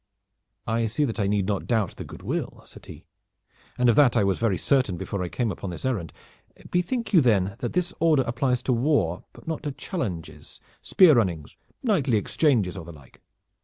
"I see that I need not doubt the good will," said he, "and of that I was very certain before I came upon this errand. Bethink you then that this order applies to war but not to challenges, spear runnings, knightly exchanges or the like.